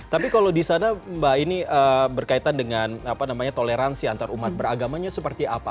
tapi kalau di sana mbak aini berkaitan dengan apa namanya toleransi antar umat beragamanya seperti apa